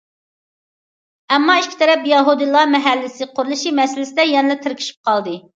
ئەمما ئىككى تەرەپ يەھۇدىيلار مەھەللىسى قۇرۇلۇشى مەسىلىسىدە يەنىلا تىركىشىپ قالدى.